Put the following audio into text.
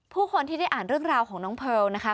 ผู้คนที่ได้อ่านเรื่องราวของน้องเพลนะคะ